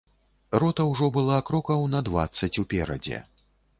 Рота ўжо была крокаў на дваццаць уперадзе.